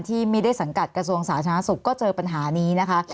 ที่ไม่ได้สังกัดกระทรวงสาธารณสุขก็เจอปัญหานี้นะคะ